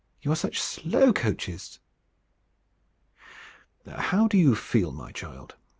You are such slow coaches!" "How do you feel, my child?"